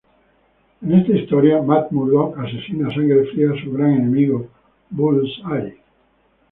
En esta historia, Matt Murdock asesina a sangre fría a su gran enemigo Bullseye.